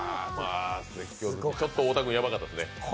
ちょっと太田君、やばかったですね。